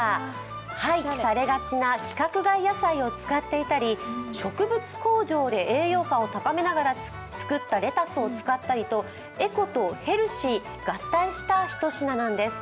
廃棄されがちな規格外野菜を使っていたり、植物工場で栄養価を高めながら作ったレタスを使ったりとエコとヘルシーが合体した一品なんです。